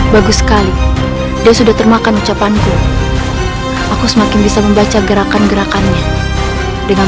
bagus sekali dia sudah termakan ucapanku aku semakin bisa membaca gerakan gerakannya dengan